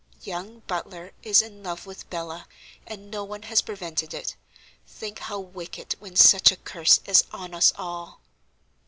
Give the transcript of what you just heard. Young Butler is in love with Bella, and no one has prevented it. Think how wicked when such a curse is on us all."